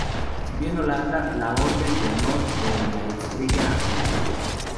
Recibió en Holanda la "Orden de Honor de la Estrella Amarilla".